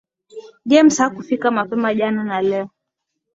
James hakufika mapema jana na leo